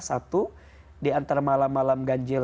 satu diantara malam malam ganjil